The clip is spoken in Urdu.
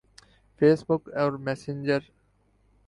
فیس بک اور میسنج